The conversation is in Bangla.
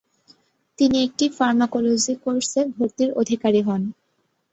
তিনি একটি ফার্মাকোলজি কোর্সে ভর্তির অধিকারী হন।